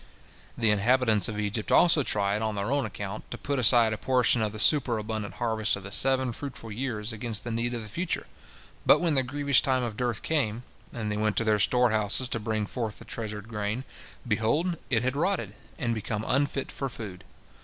The inhabitants of Egypt also tried, on their own account, to put aside a portion of the superabundant harvest of the seven fruitful years against the need of the future, but when the grievous time of dearth came, and they went to their storehouses to bring forth the treasured grain, behold, it had rotted, and become unfit for food.